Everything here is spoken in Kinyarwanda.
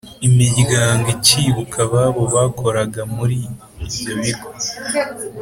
imiryango ikibuka ababo bakoraga muri ibyo bigo